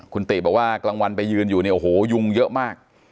คุณติบอกว่ากลางวันไปยืนอยู่เนี่ยโอ้โหยุงเยอะมาก